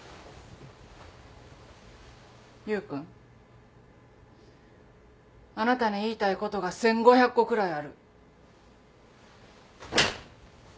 優君あなたに言いたいことが１，５００個くらいある。